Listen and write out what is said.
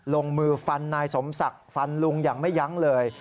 ลงมือฟันนายสมศักดิ์ฟันลุงอย่างไม่ยั้งเลย